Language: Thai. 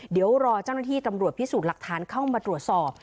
เดี๋ยวรอเจ้าหน้าที่ตำรวจพิสูจน์หลักฐานเข้ามาตรวจสอบ